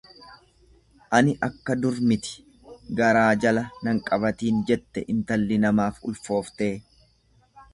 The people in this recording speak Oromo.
Ani akka dur miti, garaa jala nan qabatiin jette intalli namaaf ulfooftee.